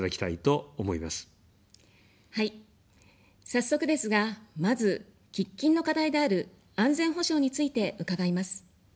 早速ですが、まず、喫緊の課題である安全保障について伺います。